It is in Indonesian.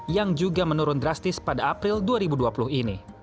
yang juga menurun drastis pada april dua ribu dua puluh ini